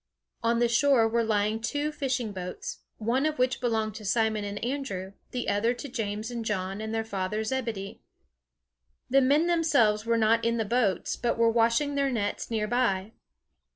On the shore were lying two fishing boats, one of which belonged to Simon and Andrew, the other to James and John and their father Zebedee. The men themselves were not in the boats, but were washing their nets near by.